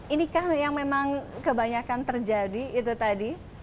inikah yang memang kebanyakan terjadi itu tadi